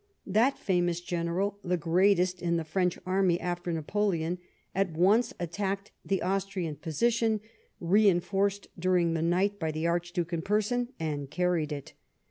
That famous general, the greatest in the French army after Napoleon, at once attacked the Austrian position, reinforced during the night by the Archduke in person, and carried it.